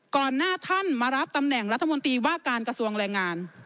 ก่อนหน้าท่านมารับตำแหน่งรัฐมนตรีว่าการกระทรวงแรงงาน